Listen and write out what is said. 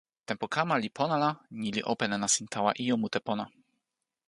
tenpo kama li pona la ni li open e nasin tawa ijo mute pona.